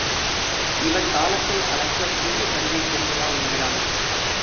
இவன் காலத்தை அளக்கப் புதிய கருவியைக் கொண்டு வா என்கிறான்.